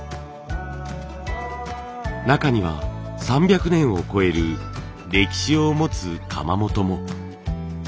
中には３００年を超える歴史を持つ窯元も。